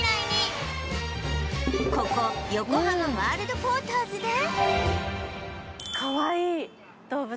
ここ横浜ワールドポーターズで